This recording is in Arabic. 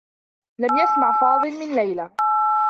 لم يسمع فاضل من ليلى.